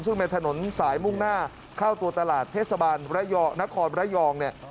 ซึ่งเป็นถนนสายมุ่งหน้าเข้าตัวตลาดเทศบาลนครระยองเนี่ย